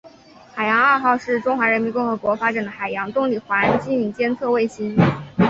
海洋二号是中华人民共和国发展的海洋动力环境监测卫星。